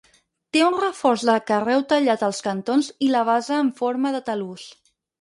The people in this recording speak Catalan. Té un reforç de carreu tallat als cantons i la base amb forma de talús.